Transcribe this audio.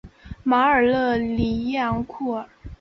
马尔热里耶昂库尔。